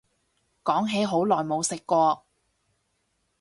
講起好耐冇食過